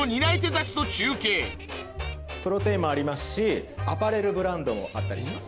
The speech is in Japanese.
たちと中継プロテインもありますしアパレルブランドもあったりします。